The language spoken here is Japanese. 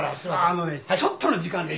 あのねちょっとの時間でいい。